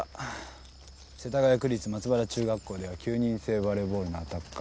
世田谷区立松原中学校では９人制バレーボールのアタッカー。